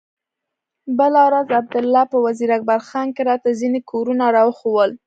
بله ورځ عبدالله په وزير اکبر خان کښې راته ځينې کورونه راوښوول.